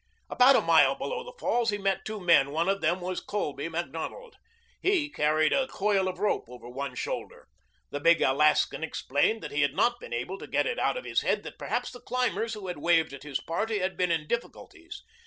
About a mile below the falls he met two men. One of them was Colby Macdonald. He carried a coil of rope over one shoulder. The big Alaskan explained that he had not been able to get it out of his head that perhaps the climbers who had waved at his party had been in difficulties.